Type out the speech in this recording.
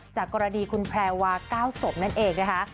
จากกรดีคุณแพลวาเก้าศรมนั่นเอกนะคะ